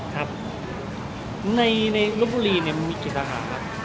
ครับในในละบุรีเนี่ยมันมีกี่สาขาครับ